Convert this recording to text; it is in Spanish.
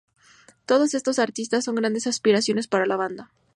Todos estos artistas son grandes inspiraciones para la banda.